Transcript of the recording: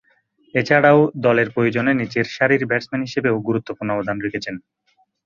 এছাড়াও, দলের প্রয়োজনে নিচের সারির ব্যাটসম্যান হিসেবেও গুরুত্বপূর্ণ অবদান রেখেছেন।